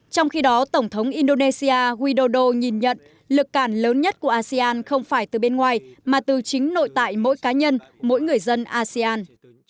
trong khi đó tổng thống indonesia widodo nhìn nhận lực cản lớn nhất của asean không phải từ bên ngoài mà từ chính nội tại mỗi cá nhân mỗi người dân asean